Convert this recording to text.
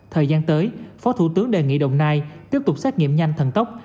thời gian tới phó thủ tướng đề nghị đồng nai tiếp tục xét nghiệm nhanh thần tốc